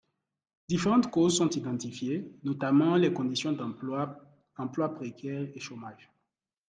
Différentes causes sont identifiées, notamment les conditions d’emploi, emploi précaire et chômage.